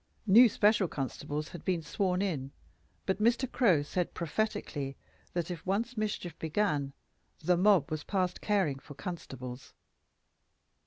New special constables had been sworn in, but Mr. Crow said prophetically that if once mischief began, the mob was past caring for constables.